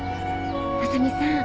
浅見さん。